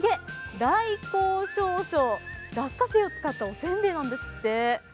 来校証書、落花生を使ったおせんべいなんですって。